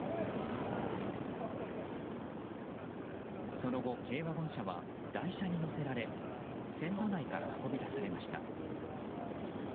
その後、軽ワゴン車は台車に載せられ線路内から運び出されました。